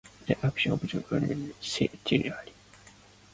The accession of Constantine was a turning point for early Christianity.